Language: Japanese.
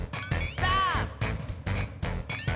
さあ！